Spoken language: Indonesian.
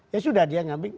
ya sudah dia ngambil